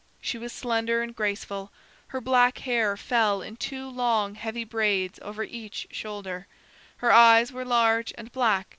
She was slender and graceful; her black hair fell in two long heavy braids over each shoulder; her eyes were large and black.